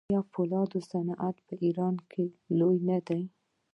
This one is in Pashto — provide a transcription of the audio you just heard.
آیا د فولادو صنعت په ایران کې لوی نه دی؟